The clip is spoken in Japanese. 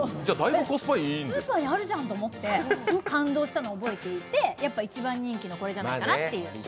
スーパーにあるじゃんと思って、すごく感動したのを覚えていてやっぱ一番人気のこれじゃないかなっていう。